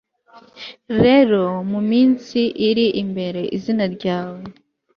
Rero muminsi iri imbere izina ryawe